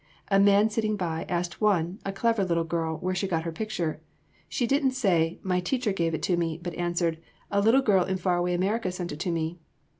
A man sitting by asked one, a clever little girl, where she got her picture. She didn't say, "My teacher gave it to me," but answered, "A little girl in far away America sent it to me."